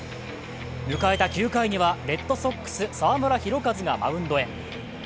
迎えた９回にはレッドソックス澤村拓一がマウンドへ。